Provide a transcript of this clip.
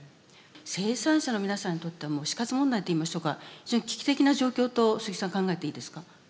生産者の皆さんにとってはもう死活問題と言いましょうか非常に危機的な状況と鈴木さん考えていいですか？